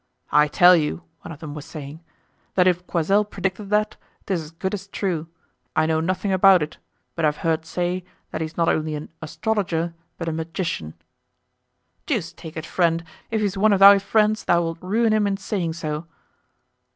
"I tell you," one of them was saying, "that if Coysel predicted that, 'tis as good as true; I know nothing about it, but I have heard say that he's not only an astrologer, but a magician." "Deuce take it, friend, if he's one of thy friends thou wilt ruin him in saying so."